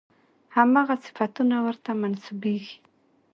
همغه صفتونه ورته منسوبېږي.